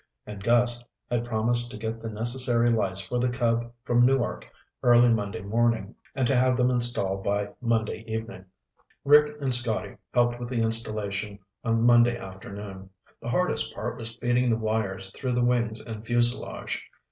And Gus had promised to get the necessary lights for the Cub from Newark early Monday morning, and to have them installed by Monday evening. Rick and Scotty helped with the installation on Monday afternoon. The hardest part was feeding the wires through the wings and fuselage.